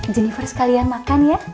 jennifer sekalian makan ya